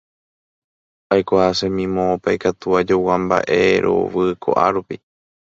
Aikuaasemi moõpa ikatu ajogua mba'erovy ko'árupi.